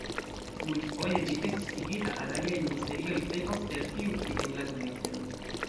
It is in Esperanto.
Multfoje ĝi estis ligita al aliaj ministerioj, plej ofte al tiu pri enlandaj aferoj.